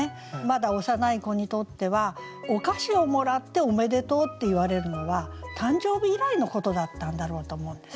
まだ幼い子にとってはお菓子をもらっておめでとうって言われるのは誕生日以来のことだったんだろうと思うんですね。